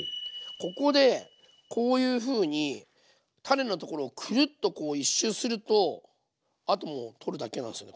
ここでこういうふうに種のところをクルッとこう１周するとあともう取るだけなんすよね